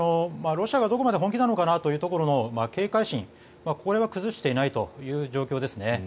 ロシアがどこまで本気なのかなというところの警戒心、これは崩していないという状況ですね。